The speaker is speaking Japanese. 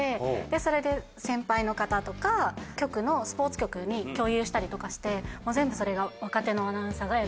それで先輩の方とか局のスポーツ局に共有したりとかして全部それが。でした。